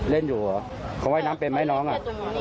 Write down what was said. เล่นอยู่เขาว่ายน้ำเป็นไหมน้องอ่ะ